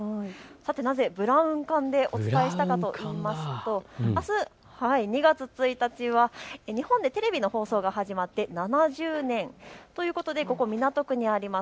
なぜブラウン管でお伝えしたかといいますとあす２月１日は日本でテレビの放送が始まって７０年ということでここ港区にあります